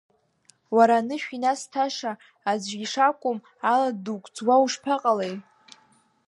Уара анышә инасҭаша, аӡә ишакәым ала дугәӡуа ушԥаҟалеи?